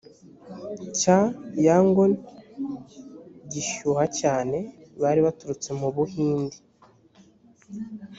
cya yangon gishyuha cyane bari baturutse mu buhindi